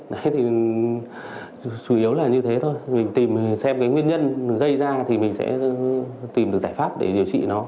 thế thì chủ yếu là như thế thôi mình tìm xem cái nguyên nhân gây ra thì mình sẽ tìm được giải pháp để điều trị nó